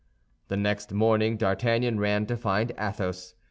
The next morning D'Artagnan ran to find Athos.